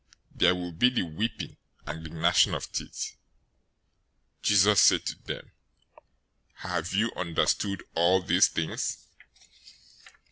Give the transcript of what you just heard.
There will be the weeping and the gnashing of teeth." 013:051 Jesus said to them, "Have you understood all these things?"